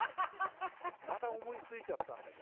また思いついちゃったんだよ」